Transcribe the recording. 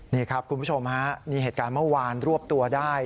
นี่ครับคุณผู้ชมฮะนี่เหตุการณ์เมื่อวานรวบตัวได้